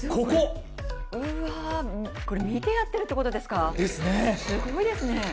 これ見てやってるってことですか、すごいですね。